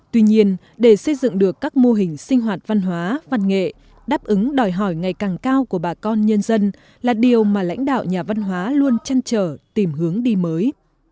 tuy nhiên để xây dựng được các mô hình sinh hoạt văn hóa văn nghệ đáp ứng đòi hỏi ngày càng cao của bà con nhân dân là điều mà lãnh đạo nhà văn hóa luôn chăn trở tìm hướng đi mới